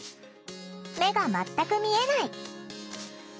目が全く見えない。